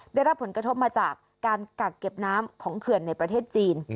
ได้รับผลกระทบมาจากการกักเก็บน้ำของเขื่อนในประเทศจีน